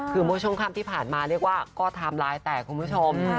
คือมดชมคำที่ผ่านมาเรียกว่าก็ทำร้ายแตกคุณผู้ชม